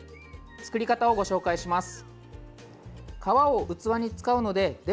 作り方をご紹介します。